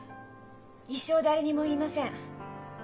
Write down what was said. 一生誰にも言いません。